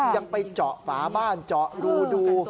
ยังไปเจาะฝาบ้านเจาะรูดู